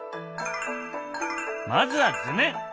まずは図面。